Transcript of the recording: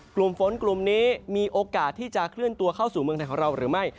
กลุ่มฝนกลุ่มนี้มีโอกาสที่จะเคลื่อนตัวเข้าสู่เมืองไทยของเราหรือไม่